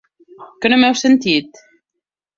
¿Que no m'heu sentit?